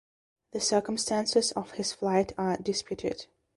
The circumstances of his flight are disputed.